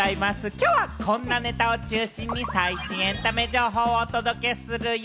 きょうはこんなネタを中心に最新エンタメ情報をお届けするよ。